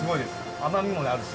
甘みもあるし。